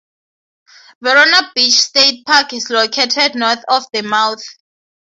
Verona Beach State Park is located north of the mouth.